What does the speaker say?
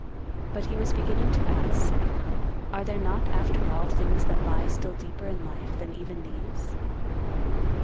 But he was beginning to ask, are there not after all things that lie still deeper in life than even these?